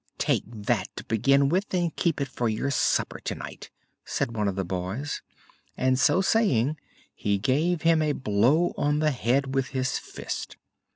"Take that to begin with and keep it for your supper tonight," said one of the boys. And, so saying, he gave him a blow on the head with his fist.